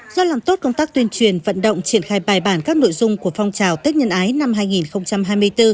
do làm tốt công tác tuyên truyền vận động triển khai bài bản các nội dung của phong trào tết nhân ái năm hai nghìn hai mươi bốn